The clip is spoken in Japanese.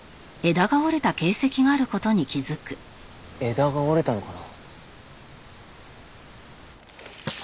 枝が折れたのかな？